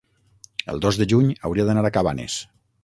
el dos de juny hauria d'anar a Cabanes.